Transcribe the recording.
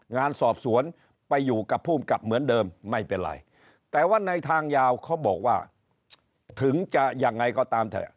งานสอบสวนไปอยู่กับภูมิกับเหมือนเดิมไม่เป็นไรแต่ว่าในทางยาวเขาบอกว่าถึงจะยังไงก็ตามเถอะ